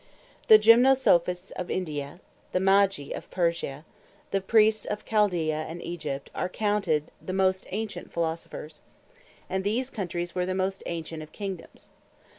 The Gymnosophists of India, the Magi of Persia, and the Priests of Chaldea and Egypt, are counted the most ancient Philosophers; and those Countreys were the most ancient of Kingdomes.